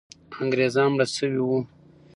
انګریزان مړه سوي وو.